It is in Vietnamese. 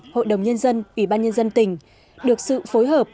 hội đồng nhân dân ủy ban nhân dân tỉnh được sự phối hợp